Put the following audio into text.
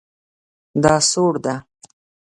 دا سوړ ده